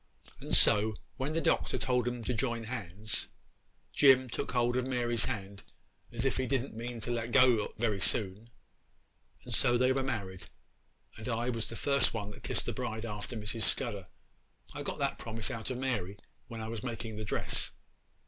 'And so, when the Doctor told them to join hands, Jim took hold of Mary's hand as if he didn't mean to let go very soon; and so they were married, and I was the first one that kissed the bride after Mrs. Scudder. I got that promise out of Mary when I was making the dress.